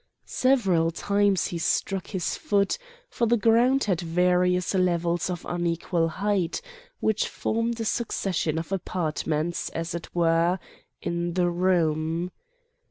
Several times he struck his foot, for the ground had various levels of unequal height, which formed a succession of apartments, as it were, in the room.